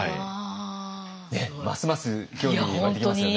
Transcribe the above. ますます興味湧いてきますよね。